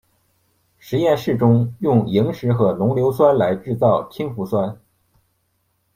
实验室中用萤石和浓硫酸来制造氢氟酸。